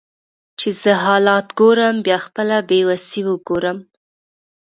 چې زه حالات ګورم بیا خپله بیوسي وګورم